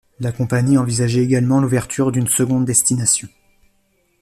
La compagnie envisageait également l'ouverture d'une seconde destination.